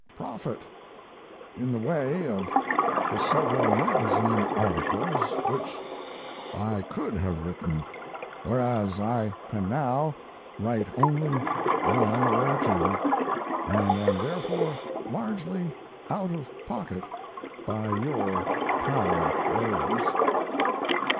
profit in the way of the several magazine articles which I could have written; whereas I can now write only one or two, and am therefore largely out of pocket by your proud ways.